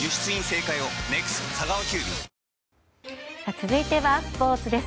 続いてはスポーツです。